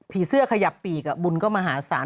เสื้อขยับปีกบุญก็มหาศาล